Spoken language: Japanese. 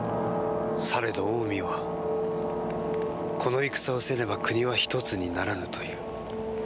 されど大臣はこの戦をせねば国は一つにならぬという。